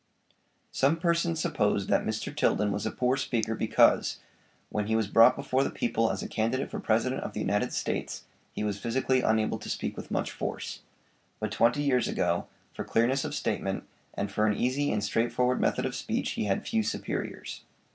Some persons supposed that Mr. Tilden was a poor speaker because, when he was brought before the people as a candidate for President of the United States, he was physically unable to speak with much force. But twenty years ago, for clearness of statement, and for an easy and straightforward method of speech he had few superiors.